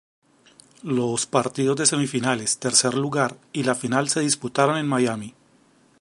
Los partidos de semifinales, tercer lugar y la final se disputaron en Miami.